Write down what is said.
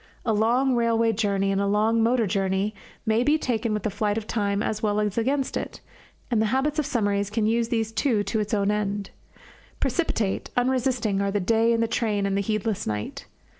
A long railway journey and a long motor journey may be taken with the flight of time as well as against it, and the habit of summaries can use these too to its own end. Precipitate, unresisting, are the day in the train and the heedless night.